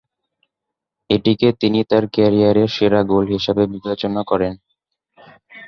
এটিকে তিনি তার ক্যারিয়ারের সেরা গোল হিসেবে বিবেচনা করেন।